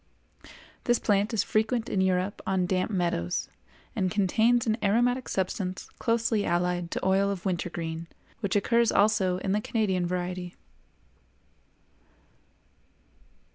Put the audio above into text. This plant is frequent in Europe on damp meadows, and contains an aromatic substance closely allied to oil of wintergreen, which occurs also in the Canadian variety.